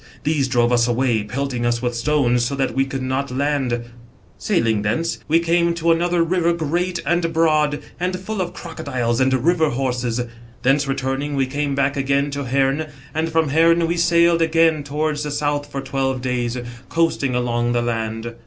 These drove us away, pelting us with stones, so that we could not Jand. 78 THE RIVER GAMBIA. Sailing thence, we came to another river grea+ and broad, and full of crocodiles and river horses. Thence returning, we came back again to Herne, and from Herne, we sailed again towards the south for twelve days, coasting along the land.